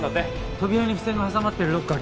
扉に付箋が挟まってるロッカー